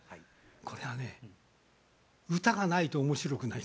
これはね歌がないと面白くないんですよ。